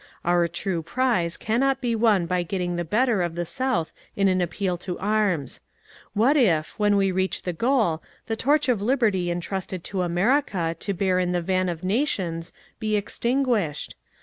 Our true prize cannot be won by getting the better of the South in an appeal to arms. What if, when we reach the goal, the torch of Liberty entrusted to America to bear in the van of nations be extinguished